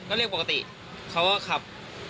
ไอแพรปอคลิงที่อาธายครับ